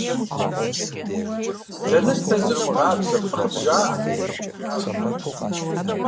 - Лэныстэр зэрыумыгъабзэ — фӏыкъым жаӏэр, - жиӏащ нанэ.